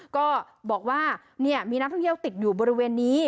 ก็บอกว่ามีนักท่องเที่ยวติดอยู่บริเวณนี้